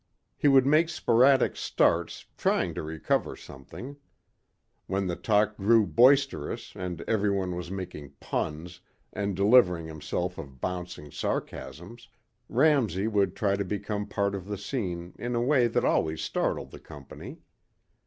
He would make sporadic starts trying to recover something. When the talk grew boisterous and everyone was making puns and delivering himself of bouncing sarcasms, Ramsey would try to become part of the scene in a way that always startled the company.